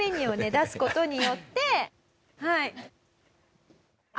出す事によって。